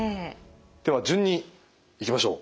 では順にいきましょう。